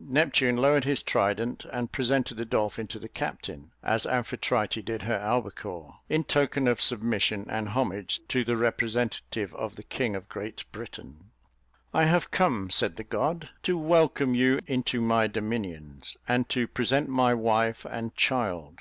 Neptune lowered his trident, and presented the dolphin to the captain, as Amphitrite did her albicore, in token of submission and homage to the representative of the King of Great Britain. "I have come," said the god, "to welcome you into my dominions, and to present my wife and child."